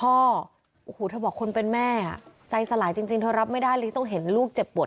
โอ้โหเธอบอกคนเป็นแม่ใจสลายจริงเธอรับไม่ได้เลย